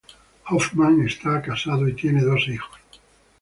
Hoffmann está casado y tiene dos hijos.